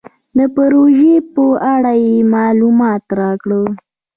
د پروژې په اړه یې مالومات راکړل.